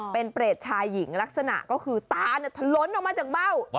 เป็นเปรตชายหญิงลักษณะก็คือตาทะล้นออกมาจากเบ้า